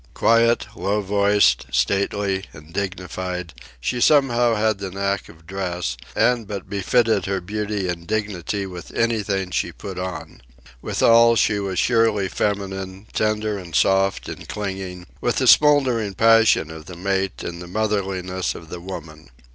Quiet, low voiced, stately, and dignified, she somehow had the knack of dress, and but befitted her beauty and dignity with anything she put on. Withal, she was sheerly feminine, tender and soft and clinging, with the smouldering passion of the mate and the motherliness of the woman.